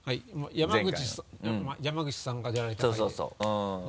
山口さんが出られた回で。